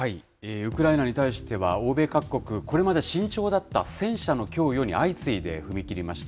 ウクライナに対しては、欧米各国、これまで慎重だった戦車の供与に相次いで踏み切りました。